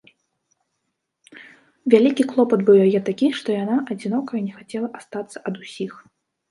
Вялікі клопат быў яе такі, што яна, адзінокая, не хацела астацца ад усіх.